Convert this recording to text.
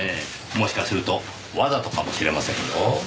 もしかするとわざとかもしれませんよ。